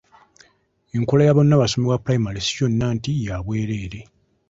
Enkola ya bonnabasome wa pulayimale si yonna nti ya bwerere.